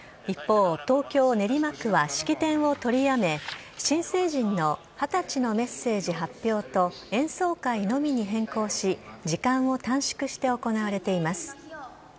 一方、東京・練馬区は式典を取りやめ、新成人の２０歳のメッセージ発表と、演奏会のみに変更し、時間を短縮して行われています。